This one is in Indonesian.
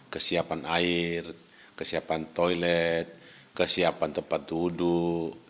kesiapan air kesiapan toilet kesiapan tempat duduk